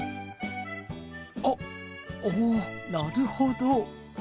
あっおおなるほど。